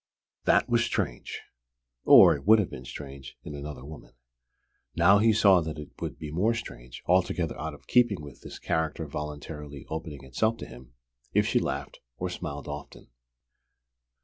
That was strange! Or, it would have been strange in another woman. Now he saw that it would be more strange, altogether out of keeping with this character voluntarily opening itself to him, if she laughed or smiled often.